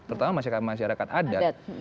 pertama masyarakat adat